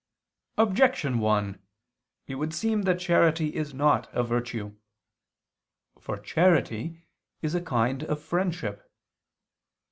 Objection 1: It would seem that charity is not a virtue. For charity is a kind of friendship.